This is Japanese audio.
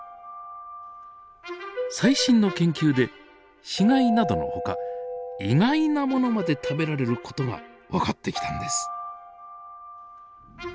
最新の研究で死骸などのほか意外なものまで食べられる事が分かってきたんです。